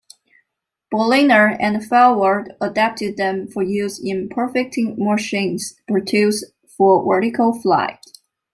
Berliner and Farwell adapted them for use in perfecting "machines" produced for vertical flight.